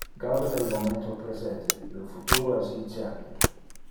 Gaude del momento presente, le futuro es incerte.